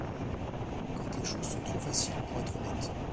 Quand les choses sont trop faciles pour être honnêtes.